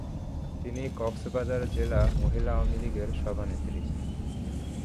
তিনি কক্সবাজার জেলা মহিলা আওয়ামী লীগের সভানেত্রী।